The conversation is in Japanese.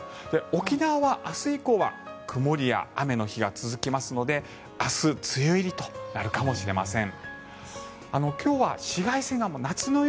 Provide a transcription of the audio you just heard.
沖縄は明日以降は曇りや雨の日が続きますので明日梅雨入りとなるかもしれません。